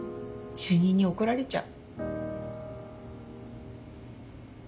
主任に怒られちゃう。